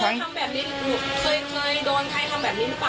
เขาบอกไหม